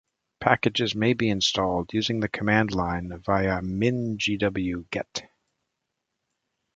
Packages may be installed using the command line via mingw-get.